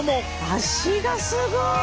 脚がすごい。